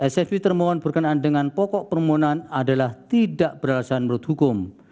sfe termohon berkenaan dengan pokok permohonan adalah tidak beralasan menurut hukum